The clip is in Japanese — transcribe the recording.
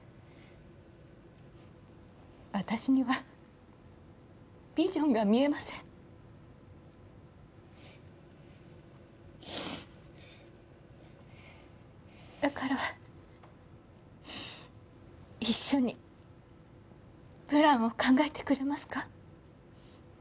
私にはビジョンが見えませんだから一緒にプランを考えてくれますか？